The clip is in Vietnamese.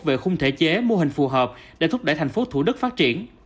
về khung thể chế mô hình phù hợp để thúc đẩy thành phố thủ đức phát triển